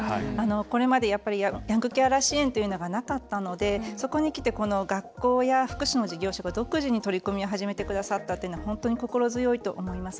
これまで、やっぱりヤングケアラーどうしというのがなかったので、ここにきて学校や福祉の事業所が独自の取り組みを始めてくださったのが本当に心強いと思います。